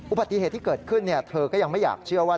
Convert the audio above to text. อุบัติเหตุที่เกิดขึ้นเธอก็ยังไม่อยากเชื่อว่า